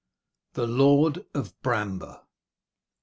THE LORD OF BRAMBER.